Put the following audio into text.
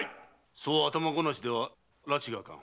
そう頭ごなしでは埒があかぬ。